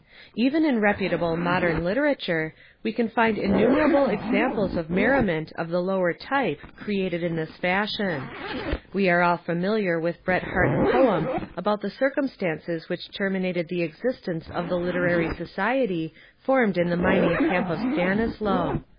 Even In reputable modern literature we can find innumerable examples of merriment of the lower type created In this fashion. We are all famlhar with Bret Harte's poem about the circumstances which terminated the existence of the literary society formed at the mining camp of Stanislow.